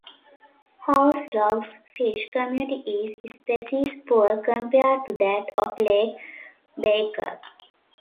Hovsgol's fish community is species-poor compared to that of Lake Baikal.